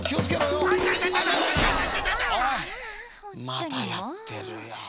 またやってるよ。